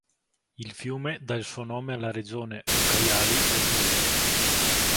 Il fiume dà il suo nome alla regione Ucayali del Perù.